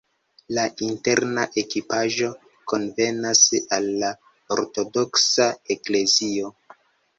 La interna ekipaĵo konvenas al la ortodoksa eklezio.